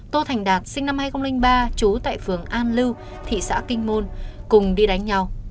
tô thành đạt sinh năm hai nghìn ba trú tại phường an lưu thị xã kinh môn cùng đi đánh nhau